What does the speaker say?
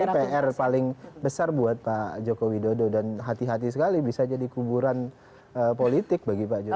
dan ini pr paling besar buat pak jokowi dodo dan hati hati sekali bisa jadi kuburan politik bagi pak jokowi